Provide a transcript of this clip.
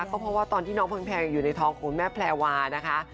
ก็เพราะว่าตอนที่น้องแพงอยู่ในท้องของคุณแม่แพรวานะคะ